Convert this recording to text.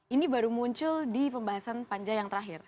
ini baru muncul di pembahasan panjang yang terakhir